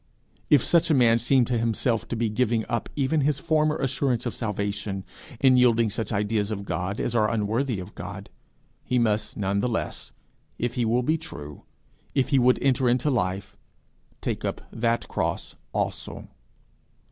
If such a man seem to himself to be giving up even his former assurance of salvation, in yielding such ideas of God as are unworthy of God, he must none the less, if he will be true, if he would enter into life, take up that cross also.